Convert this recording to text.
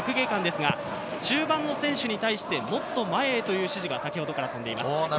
中盤の選手に対して、もっと前へという指示が先ほどから飛んでいます。